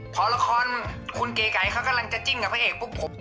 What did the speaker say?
พอละครคุณเก๋ไก่เขากำลังจะจิ้นกับพระเอกปุ๊บ